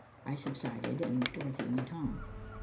I subsided and Dorothy went on.